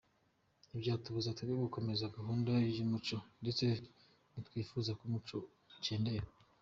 ntibyatubuza twebwe gukomeza gahunda y’umuco ndetse ntitwifuza ko umuco ukendera”.